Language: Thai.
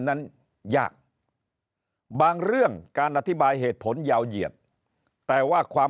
นั้นยากบางเรื่องการอธิบายเหตุผลยาวเหยียดแต่ว่าความ